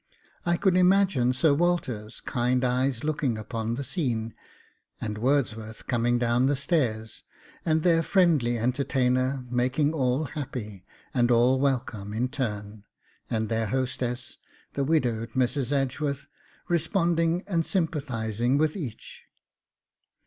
I could imagine Sir Walter's kind eyes looking upon the scene, and Wordsworth coming down the stairs, and their friendly entertainer making all happy, and all welcome in turn; and their hostess, the widowed Mrs. Edgeworth, responding and sympathising with each.